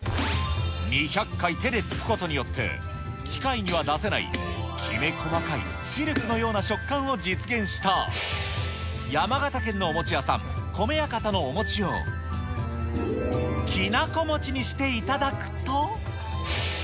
２００回手でつくことによって、機械には出せないきめ細かいシルクのような食感を実現した、山形県のお餅屋さん、こめやかたのお餅を、うめー！